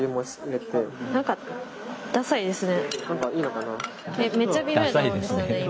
ダサいですね。